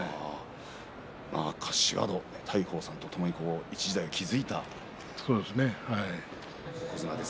柏戸は大鵬さんとともに一時代を築いた人です。